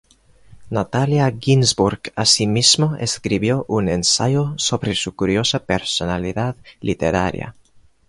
Natalia Ginzburg asimismo escribió un ensayo sobre su curiosa personalidad literaria.